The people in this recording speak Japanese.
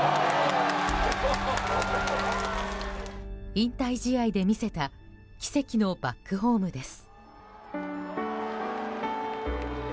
引退試合で見せた奇跡のバックホームです。